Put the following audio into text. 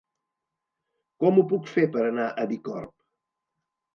Com ho puc fer per anar a Bicorb?